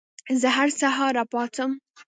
زه هر سهار راپاڅم.